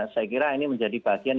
saya kira ini menjadi bagian